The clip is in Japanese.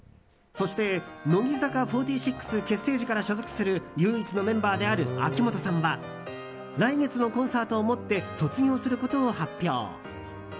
そして、乃木坂４６結成時から所属する唯一のメンバーである秋元さんは来月のコンサートをもって卒業することを発表。